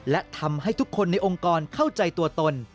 และทำให้ทุกคนในองค์กรเข้าใจตัวตน